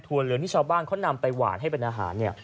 ถั่วเหลืองที่ชาวบ้านเขานำใบหวาดให้เป็นอาหาร